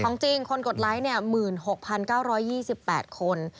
จริงคนกดไลค์๑๖๙๒๘คน